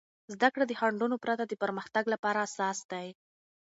زده کړه د خنډونو پرته د پرمختګ لپاره اساس دی.